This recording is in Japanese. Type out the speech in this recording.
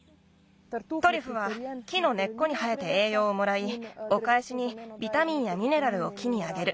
トリュフは木のねっこに生えてえいようをもらいおかえしにビタミンやミネラルを木にあげる。